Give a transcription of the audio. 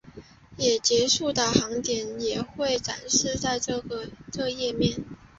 也结束的航点也会展示在这页面。